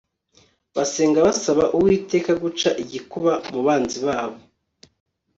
barasenga basaba Uwiteka guca igikuba mu banzi babo